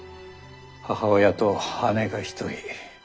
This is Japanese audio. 母親と姉が一人。